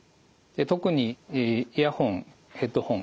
特にイヤホン・ヘッドホン